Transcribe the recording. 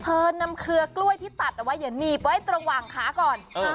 เธอนำเครือกล้วยที่ตัดเอาไว้อย่าหนีบไว้ตรงหว่างขาก่อน